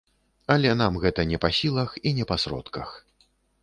Але нам гэта не па сілах і не па сродках.